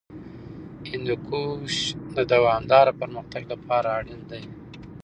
هندوکش د دوامداره پرمختګ لپاره اړین دی.